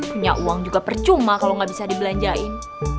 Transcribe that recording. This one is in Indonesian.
punya uang juga percuma kalo ga bisa dibelanjain